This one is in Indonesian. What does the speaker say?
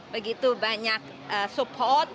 begitu banyak support